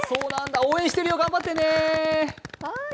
応援してるよ、頑張ってね！